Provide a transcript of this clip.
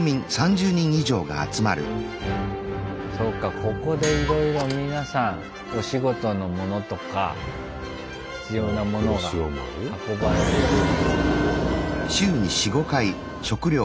そうかここでいろいろ皆さんお仕事のものとか必要なものが運ばれてくる。